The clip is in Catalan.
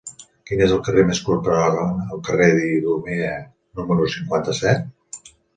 Quin és el camí més curt per anar al carrer d'Idumea número cinquanta-set?